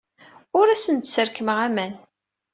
Ur asen-d-sserkameɣ aman.